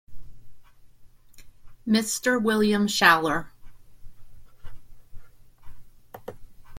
Mr. William Shaler.